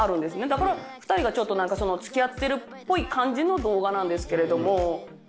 だから２人がちょっと何かその付き合ってるっぽい感じの動画なんですけれども。